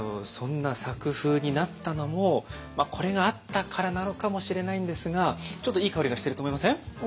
そんな作風になったのもこれがあったからなのかもしれないんですがちょっといい香りがしてると思いません？